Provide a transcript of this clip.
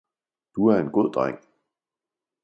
Du er en god dreng!